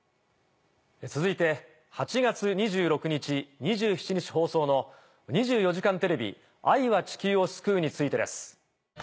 続いて８月２６日２７日放送の『２４時間テレビ愛は地球を救う』についてです。